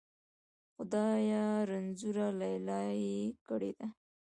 خدایه! رنځوره لیلا یې کړې ده.